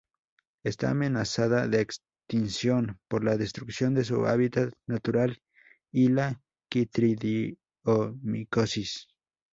Está amenazada de extinción por la destrucción de su hábitat natural y la quitridiomicosis.